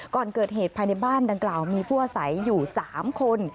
ก่อนเกิดเหตุภายในบ้านดังกล่าวมีผู้อาศัยอยู่๓คน